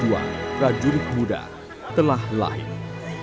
dengan berakhirnya pendidikan penuh keringat dan air mata ini